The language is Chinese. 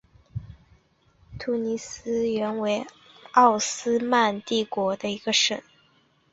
突尼斯原为奥斯曼帝国的一个省。